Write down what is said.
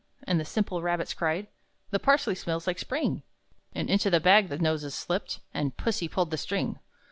And the simple rabbits cried, "The parsley smells like spring!" And into the bag their noses slipped, And Pussy pulled the string.